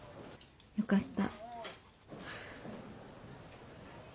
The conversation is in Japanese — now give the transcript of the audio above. よかった。